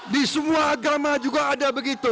di semua agama juga ada begitu